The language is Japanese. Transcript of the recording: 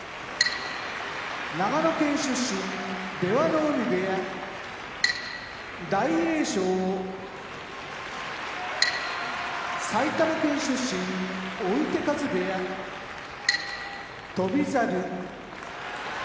長野県出身出羽海部屋大栄翔埼玉県出身追手風部屋翔猿